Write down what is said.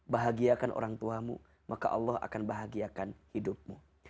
bahagiakan orang tuamu maka allah akan bahagiakan hidupmu